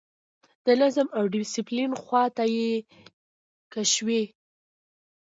د نظم او ډسپلین خواته یې کشوي.